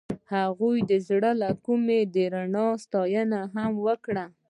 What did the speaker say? هغې د زړه له کومې د رڼا ستاینه هم وکړه.